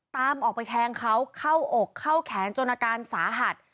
ตามออกไปแทงเขาเข้าอกเข้าแขนจนอาการสาหัส